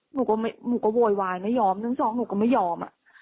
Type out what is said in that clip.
หนูก็ไม่หนูก็โวยวายไม่ยอมหนึ่งสองหนูก็ไม่ยอมอ่ะ